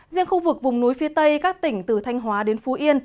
riêng khu vực vùng núi phía tây các tỉnh từ thanh hóa đến phú yên